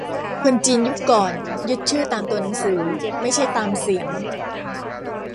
คนจีนยุคก่อนยึดชื่อตามตัวหนังสือ ไม่ใช่ตามเสียง